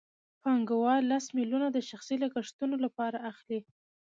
پانګوال لس میلیونه د شخصي لګښتونو لپاره اخلي